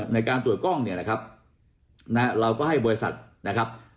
ในการตรวจกล้องเนี่ยนะครับเราก็ให้บริษัทนะครับ